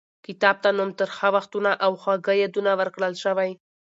کتاب ته نوم ترخه وختونه او خواږه یادونه ورکړل شوی.